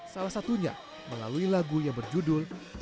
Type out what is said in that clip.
jadi lainnya diberi ide